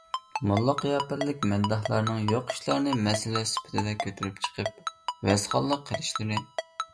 موللام قىياپەتلىك مەدداھلارنىڭ يوق ئىشلارنى مەسىلە سۈپىتىدە كۆتۈرۈپ چىقىپ ۋەزخانلىق قىلىشلىرى